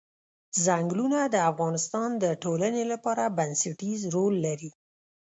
ځنګلونه د افغانستان د ټولنې لپاره بنسټيز رول لري.